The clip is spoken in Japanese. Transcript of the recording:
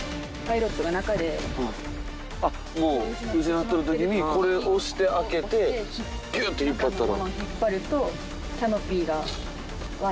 あっもう気を失ってるときにこれ押して開けてぎゅって引っ張ったら。